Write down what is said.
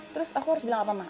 terus aku harus bilang apa mah